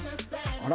あら！